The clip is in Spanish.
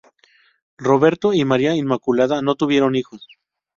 Roberto y María Inmaculada no tuvieron hijos.